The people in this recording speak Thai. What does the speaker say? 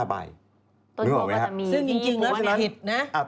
ต้นกว้าก็จะมียี่ปัว